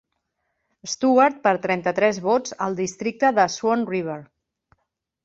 Stewart per trenta-tres vots al districte de Swan River.